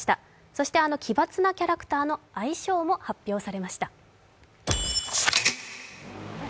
そしてあの奇抜なキャラクターの愛称も発表されました。